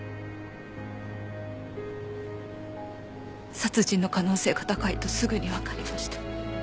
殺人の可能性が高いとすぐにわかりました。